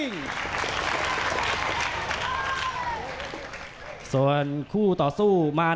ยังเหลือคู่มวยในรายการ